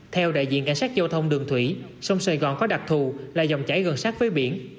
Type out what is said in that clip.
theo đại diện cảnh sát giao thông đường thủy sông sài gòn có đặc thù là dòng chảy gần sát với biển